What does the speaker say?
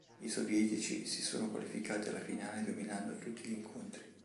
I sovietici si sono qualificati alla finale dominando tutti gli incontri.